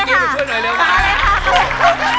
คือเป็นแย่แล้ว